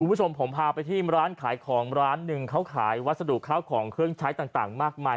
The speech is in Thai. คุณผู้ชมผมพาไปที่ร้านขายของร้านหนึ่งเขาขายวัสดุข้าวของเครื่องใช้ต่างมากมาย